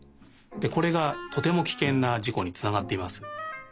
これがとてもキケンなじこにつながっています。